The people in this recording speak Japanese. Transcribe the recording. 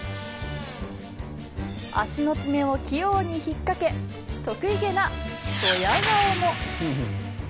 足の爪を器用に引っかけ得意げなドヤ顔も。